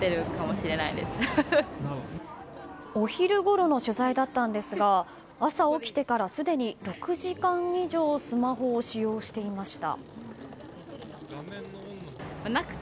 お昼ごろの取材だったんですが朝起きてからすでに６時間以上スマホを使用していました。